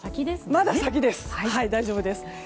まだ先です、大丈夫です。